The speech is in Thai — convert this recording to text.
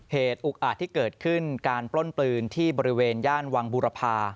เหตุอุกอาจที่เกิดขึ้นการปล้นปืนที่บริเวณย่านวังบุรพา